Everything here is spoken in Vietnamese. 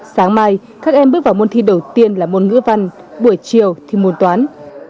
sáng mai các em bước vào môn thi đầu tiên là môn ngữ văn buổi chiều thi môn toán